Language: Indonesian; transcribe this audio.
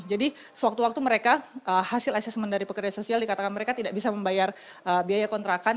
jadi sewaktu waktu mereka hasil asesmen dari pekerja sosial dikatakan mereka tidak bisa membayar biaya kontrakan